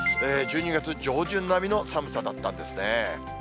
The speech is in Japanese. １２月上旬並みの寒さだったんですね。